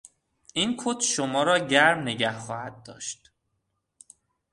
این کت شما را گرم نگه خواهد داشت.